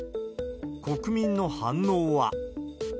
国民の反応は。